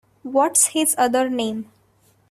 What’s his other name?